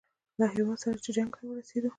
له هغه هیواد سره چې جنګ ته ورسېدو.